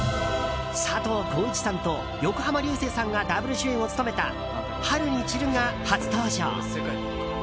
佐藤浩市さんと横浜流星さんがダブル主演を務めた「春に散る」が初登場。